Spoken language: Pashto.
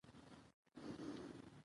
په افغانستان کې د باران تاریخ اوږد دی.